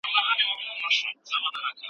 موږ تېر کال په غره کې ډېرې ونې وکرلې.